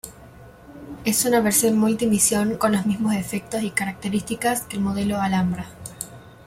Es una versión multi-misión con los mismos efectos y características que el modelo Alhambra.